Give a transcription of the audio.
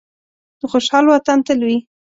د خوشحال وطن تل وي.